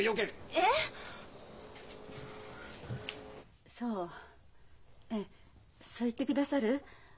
ええそう言ってくださる？